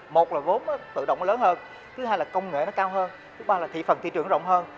một là vốn tự động lớn hơn thứ hai là công nghệ nó cao hơn thứ ba là thị phần thị trường rộng hơn